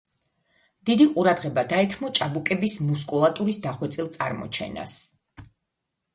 დიდი ყურადღება დაეთმო ჭაბუკების მუსკულატურის დახვეწილ წარმოჩენას.